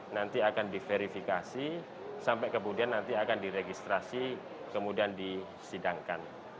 nanti akan diverifikasi sampai kemudian nanti akan diregistrasi kemudian disidangkan